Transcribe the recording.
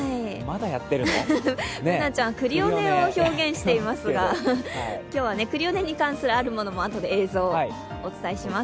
Ｂｏｏｎａちゃん、クリオネを表現していますが、今日はクリオネに関する、あるものも、あとで映像でお伝えします。